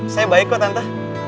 saya baik kok tante